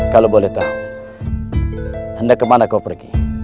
kalau boleh tahu anda kemana kau pergi